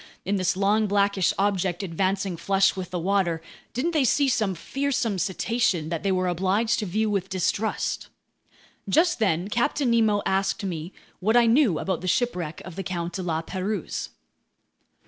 In this long, blackish object advancing flush with the water, didn't they see some fearsome cetacean that they were obliged to view with distrust? Just then Captain Nemo asked me what I knew about the shipwreck of the Count de La Pérouse.